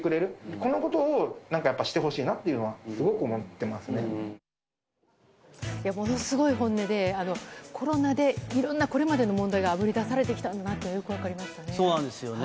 このことをなんかやっぱりしてほしいなっていうのは、すごく思っものすごい本音で、コロナでいろんなこれまでの問題があぶり出されてきたのがよく分そうなんですよね。